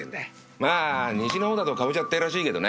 まあ西の方だと「かぼちゃ」ってぇらしいけどね